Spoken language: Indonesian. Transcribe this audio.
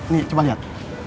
nih coba lihat